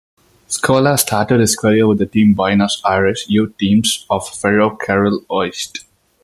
Scola started his career with the Buenos Aires youth teams of Ferro Carril Oeste.